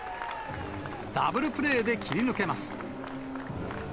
ダブルプレーで切り抜けます。